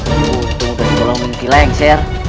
untung sudah dibolongin ki lengsir